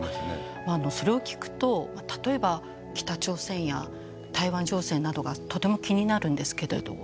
それを聞くと例えば北朝鮮や台湾情勢などがとても気になるんですけれど。